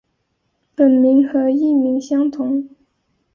本名和艺名相同。